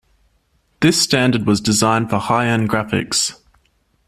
This standard was designed for high-end graphics.